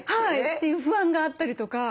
という不安があったりとか。